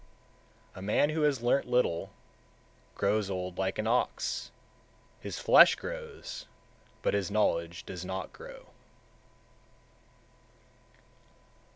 152. A man who has learnt little, grows old like an ox; his flesh grows, but his knowledge does not grow.